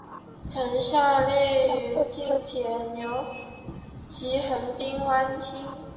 曾效力于近铁野牛及横滨湾星。